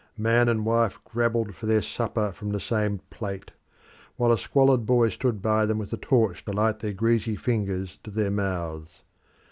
Man and wife grabbled for their supper from the same plate, while a squalid boy stood by them with a torch to light their greasy fingers to their mouths.